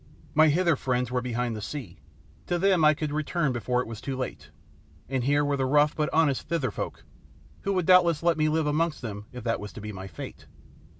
My Hither friends were behind the sea; to them I could return before it was too late, and here were the rough but honest Thither folk, who would doubtless let me live amongst them if that was to be my fate.